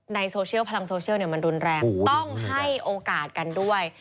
ในโซเชียลพลังโซเชียลมันรุนแรงต้องให้โอกาสกันด้วย